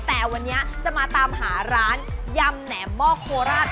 แต่วันนี้จะมาตามหาร้านยำแหนมมอกโคราช